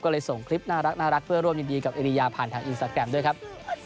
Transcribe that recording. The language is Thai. ก็เลยส่งคลิปน่ารักเพื่อร่วมยินดีกับเอริยาผ่านทางอินสตาแกรมด้วยครับ